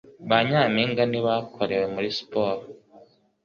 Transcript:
Ba nyampinga ntibakorewe muri siporo.